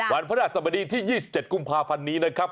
พระราชสมดีที่๒๗กุมภาพันธ์นี้นะครับ